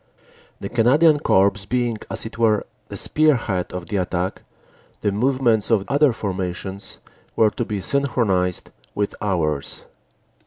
"The Canadian Corps being, as it were, the spearhead of the attack, the movements of other formations were to be syn chronized with ours."